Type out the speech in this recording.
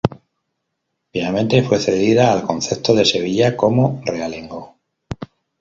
Finalmente, fue cedida al concejo de Sevilla como realengo.